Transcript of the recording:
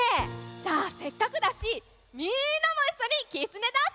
じゃあせっかくだしみんなもいっしょに「きつねダンス」